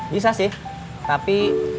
bisa sih tapi